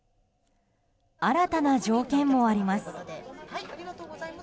新たな条件もあります。